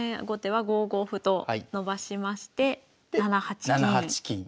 後手は５五歩と伸ばしまして７八金。